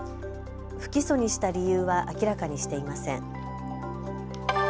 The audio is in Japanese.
不起訴にした理由は明らかにしていません。